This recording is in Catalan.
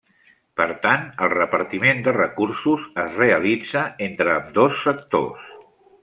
Per tant, el repartiment de recursos es realitza entre ambdós sectors.